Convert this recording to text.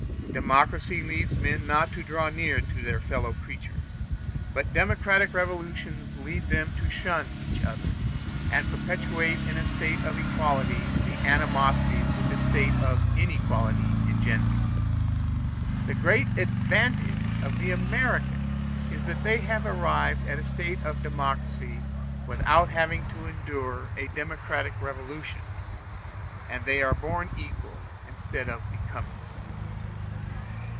Democracy leads men not to draw near to their fellow creatures; but democratic revolutions lead them to shun each other, and perpetuate in a state of equality the animosities which the state of inequality engendered. The great advantage of the Americans is that they have arrived at a state of democracy without having to endure a democratic revolution; and that they are born equal, instead of becoming so.